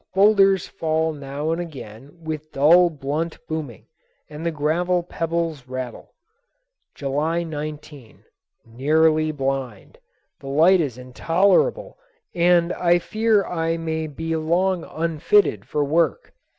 Boulders fall now and again with dull, blunt booming, and the gravel pebbles rattle. July 19. Nearly blind. The light is intolerable and I fear I may be long unfitted for work.